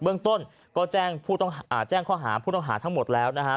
เบื้องต้นก็แจ้งผู้ต้องอ่าแจ้งข้อหาผู้ต้องหาทั้งหมดแล้วนะฮะ